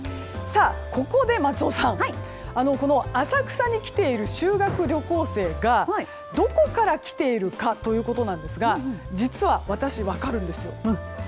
ここで松尾さん浅草に来ている修学旅行生がどこから来ているかということですが実は私、分かるんですよ。